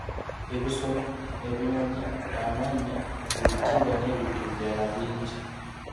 Ebisolo, ebinyonyi, amannya, ebitiibwa n’ebintu ebirala bingi